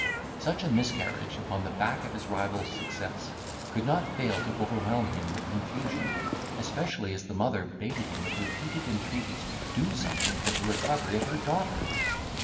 Such a miscarriage, upon the back of his rival's success, could not fail to overwhelm him with confusion; especially as the mother baited him with repeated entreaties to do something for the recovery of her daughter.